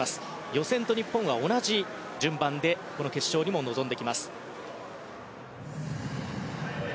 予選と同じ順番で決勝にも臨んできます。